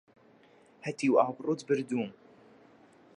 هەتیو ئابڕووت بردووم!